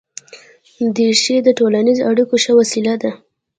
دریشي د ټولنیزو اړیکو ښه وسیله ده.